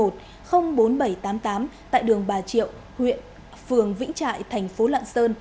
tại đường bà triệu huyện phường vĩnh trại thành phố lạng sơn